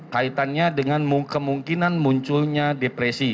kaitannya dengan kemungkinan munculnya depresi